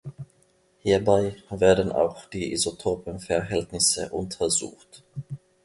Hierbei werden auch die Isotopenverhältnisse untersucht.